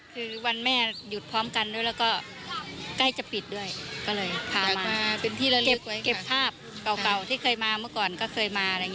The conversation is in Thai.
คือวันแม่หยุดพร้อมกันด้วยแล้วก็ใกล้จะปิดด้วย